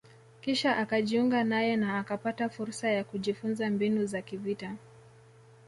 kisha akajiunga naye na akapata fursa ya kujifunza mbinu za kivita